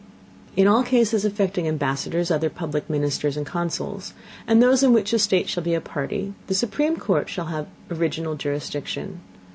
In all cases affecting Ambassadors, other public Ministers and Consuls, and those in which a State shall be Party, the supreme Court shall have original Jurisdiction.